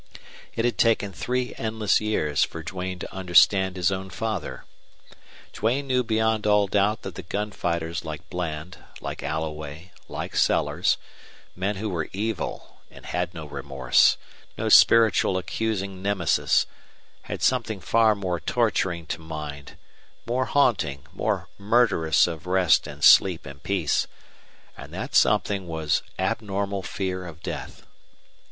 It had taken three endless years for Duane to understand his own father. Duane knew beyond all doubt that the gun fighters like Bland, like Alloway, like Sellers, men who were evil and had no remorse, no spiritual accusing Nemesis, had something far more torturing to mind, more haunting, more murderous of rest and sleep and peace; and that something was abnormal fear of death.